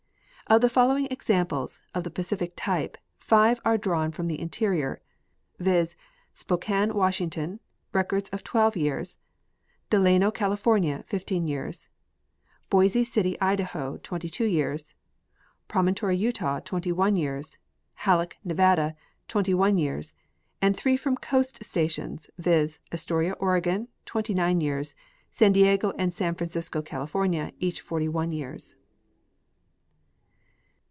Of the following examples of the Pacific type, five are drawn from the interior, viz, Spokane, Washington; records of 12 years ; Delano, California, 15 years ; Boise City, Idaho, 22 years ; Prom ontory, Utah, 21 years ; Halleck, Nevada, 21 years ; and three from coast stations, viz, Astoria, Oregon, 29 years ; San Diego and San Francisco, California,, each 41 years.